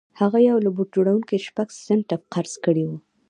هغه له یوه بوټ جوړوونکي شپږ سنټه قرض کړي وو